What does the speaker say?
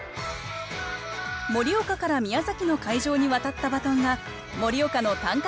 盛岡から宮崎の会場に渡ったバトンが盛岡の短歌